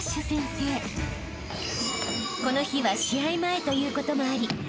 ［この日は試合前ということもあり